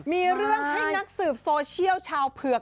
มีเรื่องให้นักสืบโซเชียลชาวเผือก